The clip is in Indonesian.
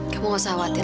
kamu tidak perlu khawatir